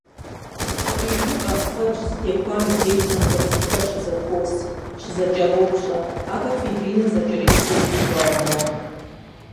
Лъы къижыпӏэм, фэбжь зытехуам и деж тромбоцитхэр щызэхуос, щызэкӏэропщӏэ, ахэр фибриным зэкӏэрешхэжри, вэгъу мэхъу.